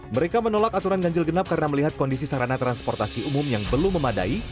mereka menolak aturan ganjil genap karena melihat kondisi sarana transportasi umum yang belum memadai